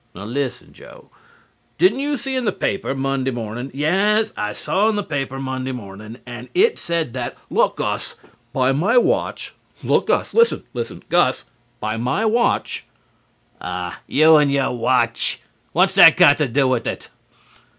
"Now listen, Jo. Didn't you see in the paper Monday morning" "Yaas, I saw in the paper Monday morning, and it said that" "Look, Gus. By my watch look, Gus listen, Gus by my watch" "Aw, you and your watch! What's that got to do with it?"